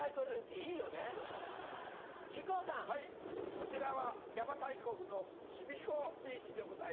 こちらは邪馬台国の卑弥呼ビーチでございます。